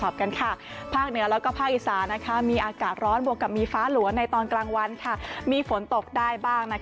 เราเพราะกันค่ะพักที่แล้วก็พกรอดนั้นมีอากาศร้อนโบกะมีฟ้าหลวงในตอนกลางวันข้ามีฝนตกได้บ้าง